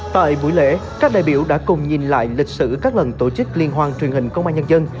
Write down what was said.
tại buổi lễ các đại biểu đã cùng nhìn lại lịch sử các lần tổ chức liên hoan truyền hình công an nhân dân